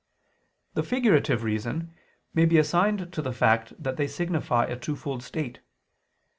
The figurative reason may be assigned to the fact that they signify a twofold state.